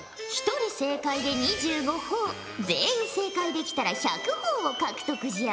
１人正解で２５ほぉ全員正解できたら１００ほぉを獲得じゃ。